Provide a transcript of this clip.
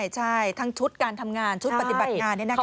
ใช่ทั้งชุดการทำงานชุดปฏิบัติงาน